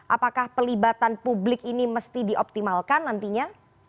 apakah pelibatan publik ini mesti dioptimalkan nantinya